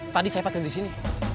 tadi saya patut di sini